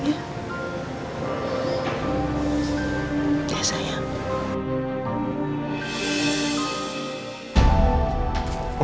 nggak ada di jakarta